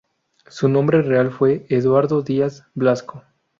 Su nombre real fue Eduardo Diaz Blasco.